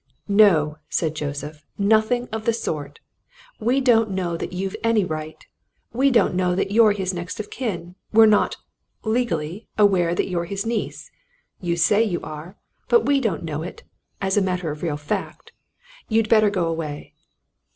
"No!" said Joseph. "Nothing of the sort. We don't know that you've any right. We don't know that you're his next of kin. We're not legally aware that you're his niece. You say you are but we don't know it as a matter of real fact. You'd better go away."